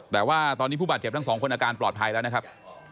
แต่ว่าตอนนี้ผู้บาดเจ็บทั้งสองคนอาการปลอดภัยแล้วนะครับ